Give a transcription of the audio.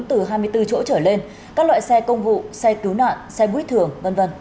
từ hai mươi bốn chỗ trở lên các loại xe công vụ xe cứu nạn xe buýt thường v v